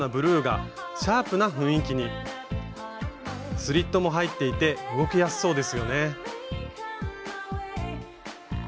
スリットも入っていて動きやすそうですよね。